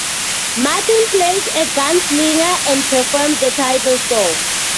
Martin plays a gunslinger and performs the title song.